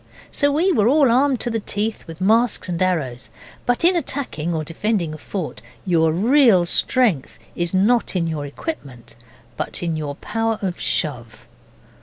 So we were all armed to the teeth with masks and arrows, but in attacking or defending a fort your real strength is not in your equipment, but in your power of Shove.